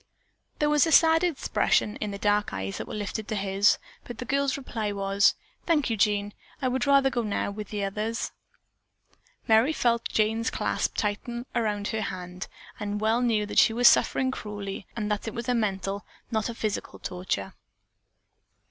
There was a sad expression in the dark eyes that were lifted to his, but the girl's reply was: "Thank you, Jean, I would rather go now, with the others." Merry felt Jane's clasp tighten about her hand, and well knew that she was suffering cruelly, and that it was a mental, not a physical torture.